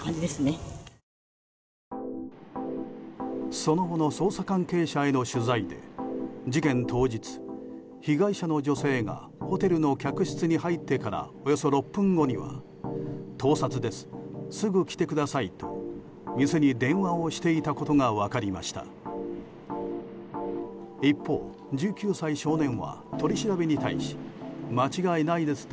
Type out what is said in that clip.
その後の捜査関係者への取材で事件当日、被害者の女性がホテルの客室に入ってからおよそ６分後には盗撮です、すぐ来てくださいと店に電話をしていたことが分かりました。